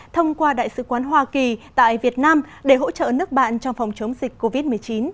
thông qua đại sứ quán hoa kỳ tại việt nam để hỗ trợ nước bạn trong phòng chống dịch covid một mươi chín